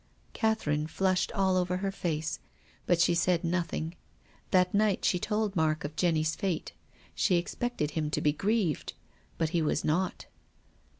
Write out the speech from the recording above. Catherine (lushed all over her face. But she said nothing. That night she told Mark of Jenny's fate. She expected him to be grieved. But he was not.